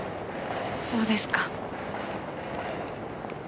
そうですか。